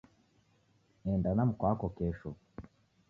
Enda na mkwako kesho